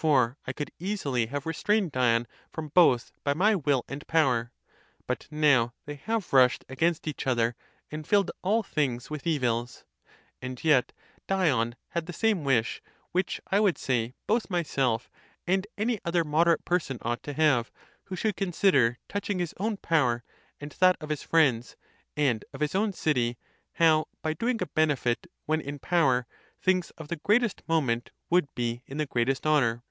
For I could easily have restrained Dion from both by my will and power.' But now they have rushed against each other, and filled all things with evils. And yet Dion had the same wish, which I would say both myself and any other moder ate person ought to have, who should consider, touching his own power, and that of his friends, and of his own city, how, by doing a benefit when in power, things of the greatest moment would be in the greatest honour.